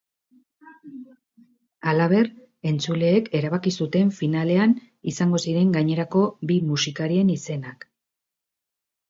Halaber, entzuleek erabaki zuten finalean izango ziren gainerako bi musikarien izenak.